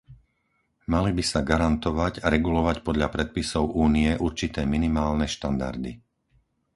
Mali by sa garantovať a regulovať podľa predpisov Únie určité minimálne štandardy.